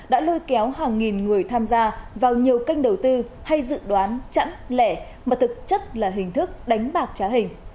đã lôi kéo hàng nghìn người tham gia vào nhiều kênh đầu tư hay dự đoán chặn lẻ mà thực chất là hình thức đánh bạc trá hình